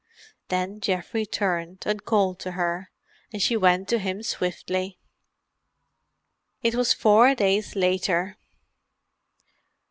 Then Geoffrey turned, and called to her, and she went to him swiftly. It was four days later.